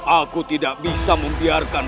aku tidak bisa membiarkan